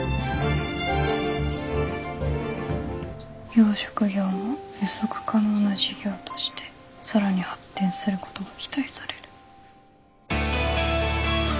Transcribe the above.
「養殖業も予測可能な事業としてさらに発展することが期待される」。